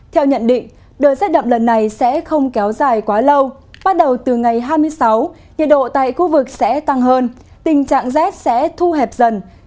theo nhận định đợt rét đậm lần này sẽ không kéo dài quá lâu bắt đầu từ ngày hai mươi sáu nhiệt độ tại khu vực sẽ tăng hơn tình trạng rét sẽ thu hẹp dần